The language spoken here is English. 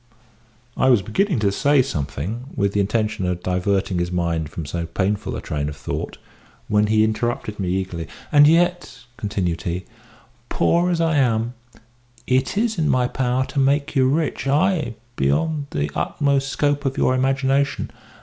I was beginning to say something, with the intention of diverting his mind from so painful a train of thought, when he interrupted me eagerly. "And yet," continued he, "poor as I am, it is in my power to make you rich ay, beyond the utmost scope of your imagination.